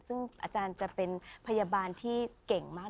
ซึ่งอาจารย์จะเป็นพยาบาลที่เก่งมาก